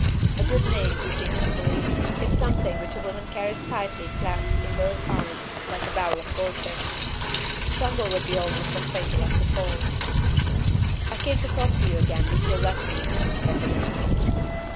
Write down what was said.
A good name, he seems to believe, is something which a woman carries tightly clasped in both arms like a bowl of goldfish. To stumble would be almost as fatal as to fall. "I came to talk to you again, if you'll let me," said the young man.